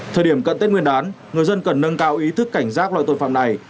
thời điểm cận tết nguyên đán người dân cần nâng cao ý thức cảnh giác loại tội phạm này